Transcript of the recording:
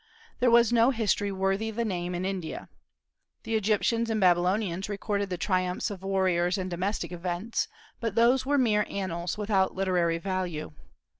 There was no history worthy the name in India. The Egyptians and Babylonians recorded the triumphs of warriors and domestic events, but those were mere annals without literary value.